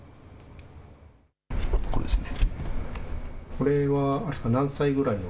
これですね。